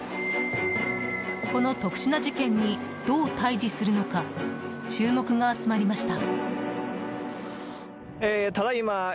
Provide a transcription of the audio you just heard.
この特殊な事件にどう対峙するのか注目が集まりました。